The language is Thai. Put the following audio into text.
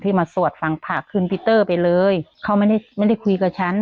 มาสวดฟังผ่าขึ้นพิเตอร์ไปเลยเขาไม่ได้ไม่ได้คุยกับฉัน